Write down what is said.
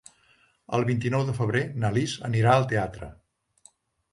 El vint-i-nou de febrer na Lis anirà al teatre.